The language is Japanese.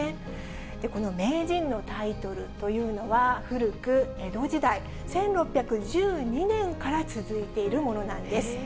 この名人のタイトルというのは、古く江戸時代、１６１２年から続いているものなんです。